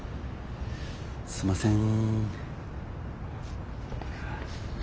すいません